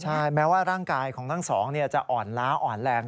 ใช่แม้ว่าร่างกายของทั้งสองจะอ่อนล้าอ่อนแรง